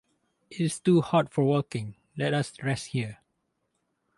It is too hot for walking, let us rest here.